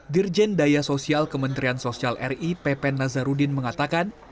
dirjen daya sosial kementerian sosial ri pepen nazarudin mengatakan